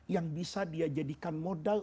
yang bisa dia jadikan modal